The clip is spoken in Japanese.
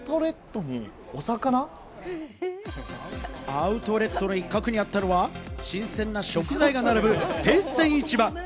アウトレットの一角にあったのは、新鮮な食材が並ぶ生鮮市場。